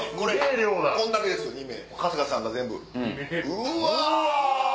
うわ！